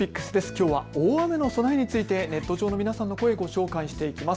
きょうは大雨の備えについてネット上の皆さんの声、紹介していきます。